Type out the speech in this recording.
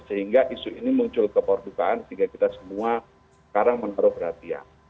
sehingga isu ini muncul ke perdukaan sehingga kita semua sekarang menaruh perhatian